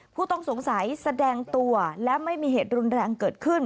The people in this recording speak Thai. ผู้ต้องสงสัยแสดงตัวและไม่มีเหตุรุนแรงเกิดขึ้น